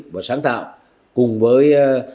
và sáng tạo cùng với